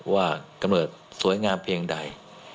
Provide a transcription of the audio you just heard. กำเนิดสวยงามเพียงใด